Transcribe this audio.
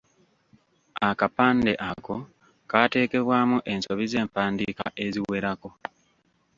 Akapande ako kaateekebwamu ensobi z’empandiika eziwerako.